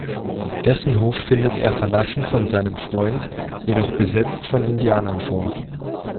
Dessen Hof findet er verlassen von seinem Freund, jedoch besetzt von Indianern vor.